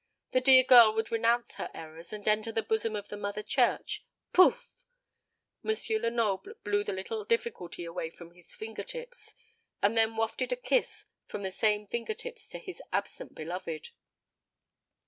The dear girl would renounce her errors, and enter the bosom of the Mother Church. Pouff! M. Lenoble blew the little difficulty away from his finger tips, and then wafted a kiss from the same finger tips to his absent beloved.